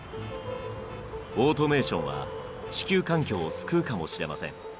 オートメーションは地球環境を救うかもしれません。